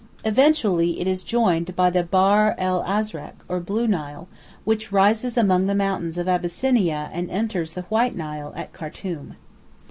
Eventually it is joined by the Bahr el Azrak, or Blue Nile, which rises among the mountains of Abyssinia and enters the White Nile at Khartūm.